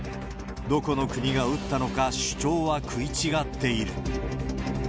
どこの国が撃ったのか、主張は食い違っている。